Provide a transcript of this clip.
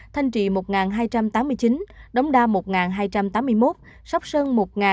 thanh trị một hai trăm tám mươi chín đống đa một hai trăm tám mươi một sóc sơn một một trăm bốn mươi một